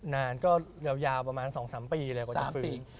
นานก็ยาวประมาณ๒๓ปีเลยกว่า๓ปี